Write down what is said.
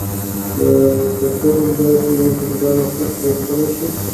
که ته همدا اوس همدغه خط لوستلی شې.